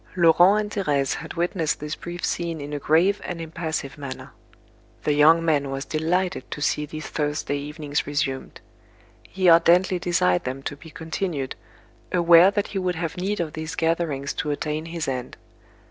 Laurent and Thérèse had witnessed this brief scene in a grave and impassive manner. The young man was delighted to see these Thursday evenings resumed. He ardently desired them to be continued, aware that he would have need of these gatherings to attain his end.